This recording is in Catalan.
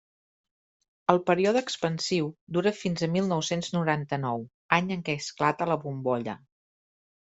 El període expansiu dura fins a mil nou-cents noranta-nou, any en què esclata la bombolla.